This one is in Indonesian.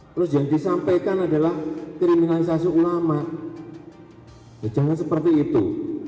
terus yang disampaikan adalah kriminalisasi ulama jangan seperti itu